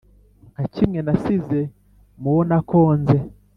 nka kimwe nasize mu wo nakonze